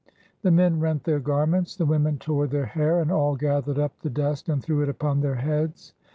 The men rent their garments, the women tore their hair, and all gathered up the dust and threw it upon their heads.